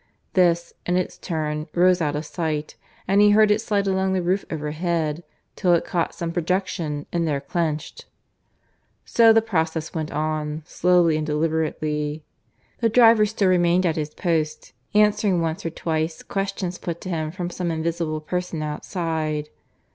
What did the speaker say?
This, in its turn, rose out of sight, and he heard it slide along the roof overhead, till it caught some projection and there clenched.) So the process went on, slowly and deliberately. The driver still remained at his post, answering once or twice questions put to him from some invisible person outside.